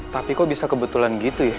tapi kok bisa kebetulan gitu ya